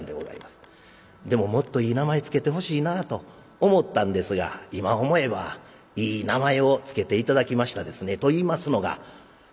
でももっといい名前付けてほしいなあと思ったんですが今思えばいい名前を付けて頂きましたですね。といいますのが小学校にたくさん呼んで頂いてるんです。